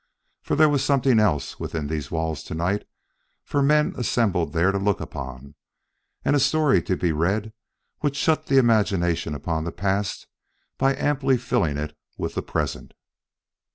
For there was something else within these walls to night for the men assembled there to look upon, and a story to be read which shut the imagination upon the past by amply filling it with the present.